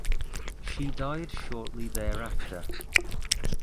She died shortly thereafter.